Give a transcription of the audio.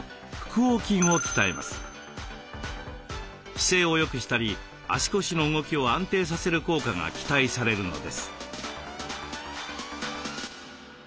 姿勢をよくしたり足腰の動きを安定させる効果が期待されるのです。